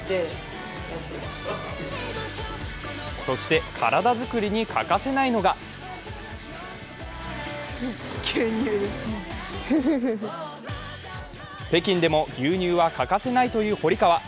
そして体づくりに欠かせないのが北京でも牛乳は欠かせないという堀川。